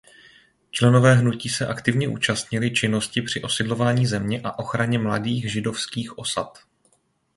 Členové hnutí se aktivně účastnili činnosti při osidlování země a ochraně mladých židovských osad.